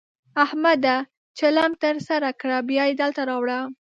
احمده! چلم ته سر کړه؛ بيا يې دلته راوړه.